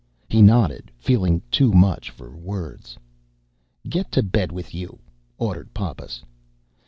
He nodded, feeling too much for words. "Get to bed with you," ordered Pappas.